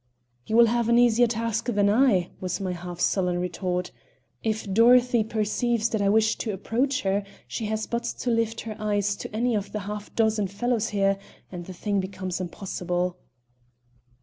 "You will have an easier task than I," was my half sullen retort. "If Dorothy perceives that I wish to approach her she has but to lift her eyes to any of the half dozen fellows here, and the thing becomes impossible."